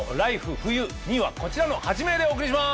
冬．２」はこちらの８名でお送りします！